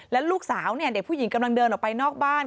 แล้วลูกสาวเนี่ยเด็กผู้หญิงกำลังเดินออกไปนอกบ้าน